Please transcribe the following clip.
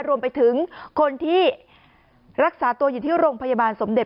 รวมไปถึงคนที่รักษาตัวอยู่ที่โรงพยาบาลสมเด็จ